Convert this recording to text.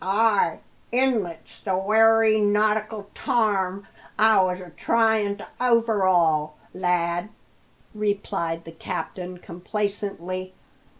"Ay, inlet's the wery nautical tarm I was a tryin' to overhaul, lad," replied the captain complacently.